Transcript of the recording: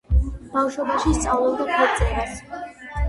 ბავშვობაში სწავლობდა ფერწერას.